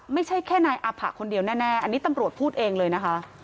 ไม่ใช่แค่นายอาผะคนเดียวแน่อันนี้ตำรวจพูดเองเลยนะคะ